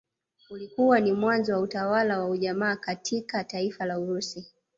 Ulikuwa ni mwanzo wa utawala wa ujamaa katika taifa la Urusi